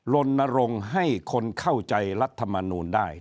ลนรงค์ให้คนเข้าใจรัฐมนูลได้